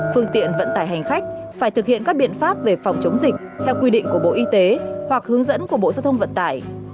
phương tiện vận tải hành khách phải thực hiện các biện pháp về phòng chống dịch theo quy định của bộ y tế hoặc hướng dẫn của bộ giao thông vận tải